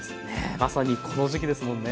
まさにこの時期ですもんね。